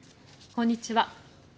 こんにちは。